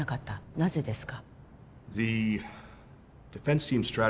なぜですか？